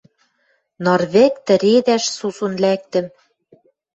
Ныр вӹк тӹредӓш сусун лӓктӹм